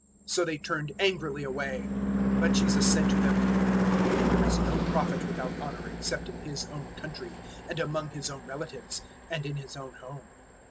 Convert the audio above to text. So they turned angrily away. 006:004 But Jesus said to them, "There is no Prophet without honour except in his own country, and among his own relatives, and in his own home."